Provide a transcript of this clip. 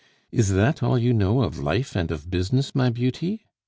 Is that all you know of life and of business, my beauty?